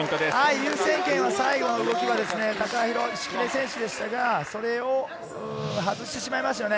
優先権、最後の動きは敷根選手でしたが、それを外してしまいましたね。